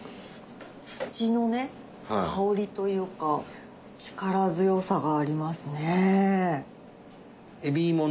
土の香りというか力強さがありますね。